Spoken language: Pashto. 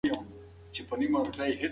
هغه د رڼا د لمس کولو هڅه وکړه.